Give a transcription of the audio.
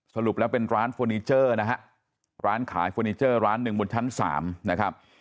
สรุปแล้วเป็นร้านเฟอร์นิเจอร์นะฮะร้านขายเฟอร์นิเจอร์ร้านหนึ่งบนชั้น๓นะครับ